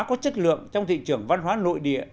có chất lượng trong thị trường văn hóa nội địa